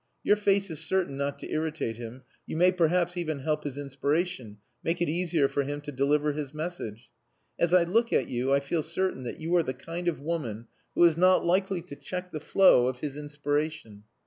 Your face is certain not to irritate him; you may perhaps even help his inspiration, make it easier for him to deliver his message. As I look at you, I feel certain that you are the kind of woman who is not likely to check the flow of his inspiration."